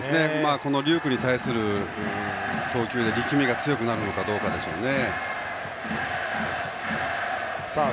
この龍空に対する投球で力みが強くなるかどうかですね。